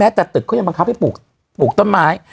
แต่ตึกเขายังบังคับให้ปลูกต้นไม้